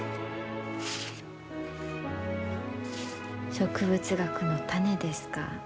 植物学の種ですか。